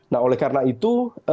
nah oleh karena itu